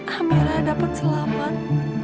amirah dapat selamat